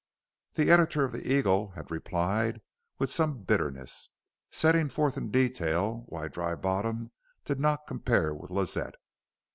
The editor of the Eagle had replied with some bitterness, setting forth in detail why Dry Bottom did not compare with Lazette.